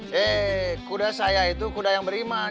hei kuda saya itu kuda yang beriman